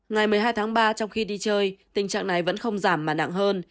ngày một mươi hai tháng ba trong khi đi chơi tình trạng này vẫn không giảm mà nặng hơn